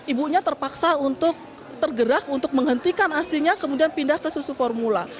ibunya terpaksa untuk tergerak untuk menghentikan asinya kemudian pindah ke susu formula